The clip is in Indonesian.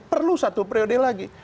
perlu satu periode lagi